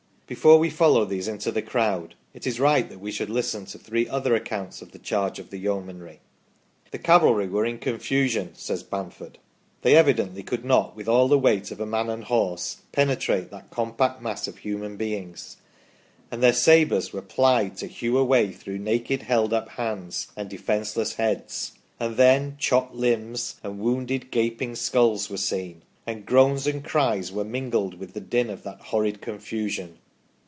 Before we follow these into the crowd, it is right that we should listen to three other accounts of the charge of the Yeomanry. ' The cavalry were in confusion," says Bamford, " they evidently could not, with all the weight of man and horse, penetrate that compact mass of human beings ; and their sabres were plied to hew a way through naked held up hands, and defenceless heads ; and then chopped limbs, and wound gaping skulls were seen ; and groans and cries were mingled with the din of that horrid con fusion.